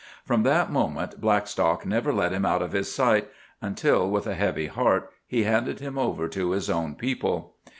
From that moment Blackstock never let him out of his sight, until, with a heavy heart, he handed him over to his own people.